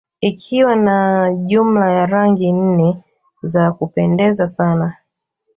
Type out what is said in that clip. Ikiwa na jumla ya Rangi nne za kupendeza sana